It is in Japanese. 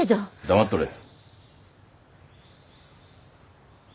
黙っとれえ。